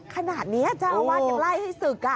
ขนาดนี้เจ้าอาวาสยังไล่ให้ศึก